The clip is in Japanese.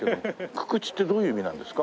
「くくち」ってどういう意味なんですか？